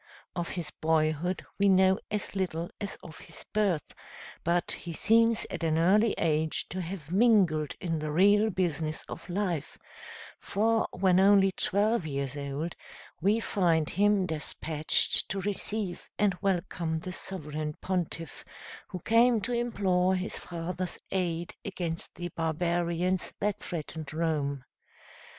Of his boyhood we know as little as of his birth, but he seems at an early age to have mingled in the real business of life, for when only twelve years old we find him despatched to receive and welcome the sovereign pontiff who came to implore his father's aid against the barbarians that threatened Rome.